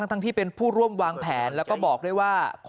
แต่พวกไม่เคยคล้ายครับ